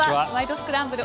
スクランブル」